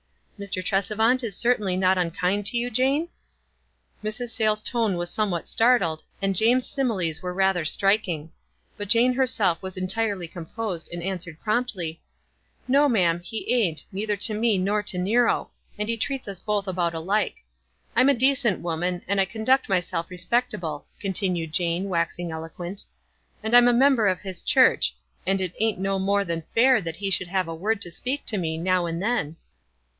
'*' "Mr. Tresevant is certainly not unkind to you, Jane?" Mrs. Sayles' tone was somewhat startled, and Jane's similes were rather striking ; but Jane herself was entirely composed, and answered, promptly, — "No, ma'am, he ain't, neither to me nor to Nero; and he treats us both about alike. I'm a decent woman, and I conduct myself respec table," continued Jane, waxing eloquent ;" and I'm a member of his church, and it ain't no more than fair that he should have a word to speak to me, now and then."